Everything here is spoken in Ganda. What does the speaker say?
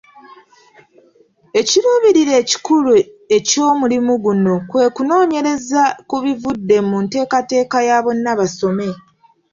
Ekiruubirira ekikulu eky'omulimu guno kwe kunoonyereza ku bivudde mu nteekateeka ya bonna basome.